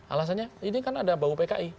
alasannya ini kan ada bau pki